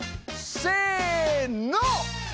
せの！